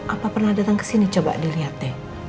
apa pernah datang kesini coba diliat deh